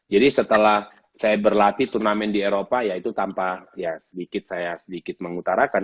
jadi setelah saya berlatih turnamen di eropa ya itu tanpa ya sedikit saya sedikit mengutarakan